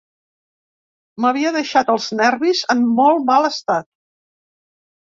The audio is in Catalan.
M'havia deixat els nervis en molt mal estat